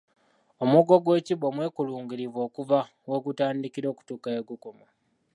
Omugo gw’ekibbo mwekulungirivu okuva we gutandikira okutuuka we gukoma.